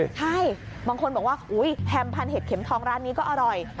ใช่บางคนบอกว่าแฮมพันธุเห็ดเข็มทองร้านนี้ก็อร่อย